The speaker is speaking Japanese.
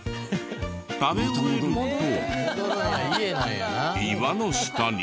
食べ終えると岩の下に。